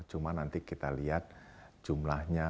cuma nanti kita lihat jumlahnya